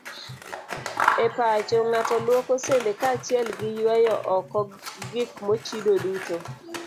E pacho, ng'ato luoko sende kaachiel gi yweyo oko gik mochido duto.